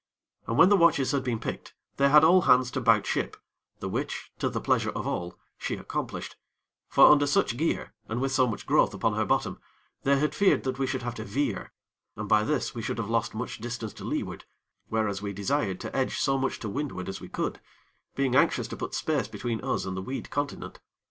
And when the watches had been picked, they had all hands to 'bout ship, the which, to the pleasure of all, she accomplished; for under such gear and with so much growth upon her bottom, they had feared that we should have to veer, and by this we should have lost much distance to leeward, whereas we desired to edge so much to windward as we could, being anxious to put space between us and the weed continent.